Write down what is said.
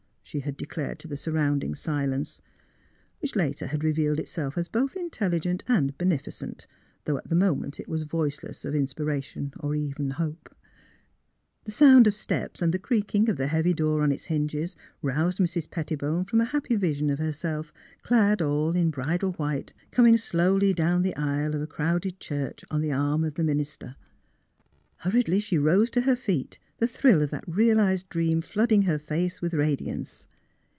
she had declared to the surrounding silence, which later had revealed itself as both in telligent and beneficent, though at the moment it was voiceless of inspiration, or even hope. The sound of steps and the creaking of the heavy door on its hinges roused Mrs. Pettibone from a happy vision of herself, clad all in bridal white, soming slowly down the aisle of the crowded church on the arm of the minister. Hurriedly she rose to her feet, the thrill of that realised dream flooding her face with radiance.